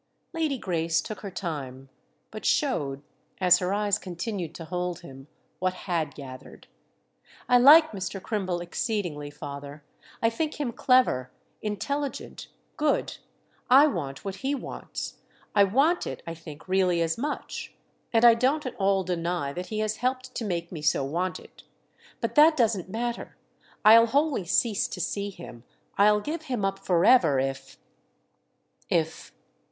Lady Grace took her time—but showed, as her eyes continued to hold him, what had gathered. "I like Mr. Crimble exceedingly, father—I think him clever, intelligent, good; I want what he wants—I want it, I think, really, as much; and I don't at all deny that he has helped to make me so want it. But that doesn't matter. I'll wholly cease to see him, I'll give him up forever, if—if—!"